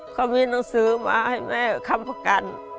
เขามีหนังสือมาให้แม่ค้ำประกัน